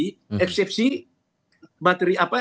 karena mungkin tidak sampai kepada pemirsa materi ini nanti